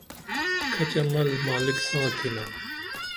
کھچہ مل مالک ساں تھینا